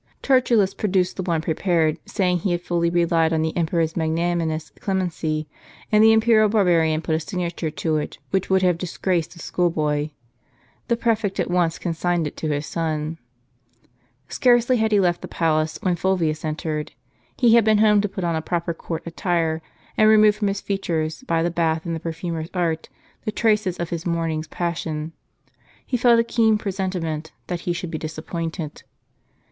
Tertullus produced the one prepared, saying he had fully relied on the emperor's magnanimous clemency; and the imperial barbarian put a signature to it which would have disgraced a schoolboy. The prefect at once consigned it to his son. Scarcely had he left the jjalace, when Fulvius entered. He had been home to pmt on a proper court attire, and remove from his features, by the bath and the perfumer's art, the traces of his morning's passion. He felt a keen presentiment that he should be disappointed.